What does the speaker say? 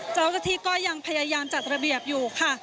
เจ้าหน้าที่ก็ยังพยายามจัดระเบียบอยู่ค่ะ